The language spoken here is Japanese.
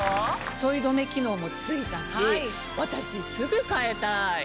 ちょい止め機能も付いたし私すぐ替えたい。